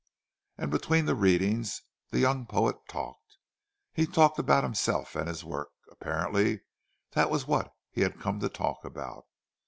And between the readings the young poet talked. He talked about himself and his work—apparently that was what he had come to talk about.